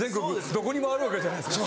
どこにもあるわけじゃないですか。